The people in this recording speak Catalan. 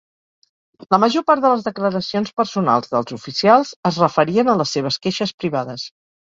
La major part de les declaracions personals dels oficials es referien a les seves queixes privades.